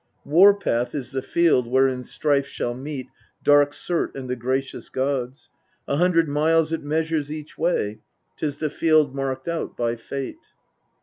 f8. War path is the Field where in strife shall meet dark Surt and the gracious gods : a hundred miles it measures each way ; 'tis the Field marked out by Fate.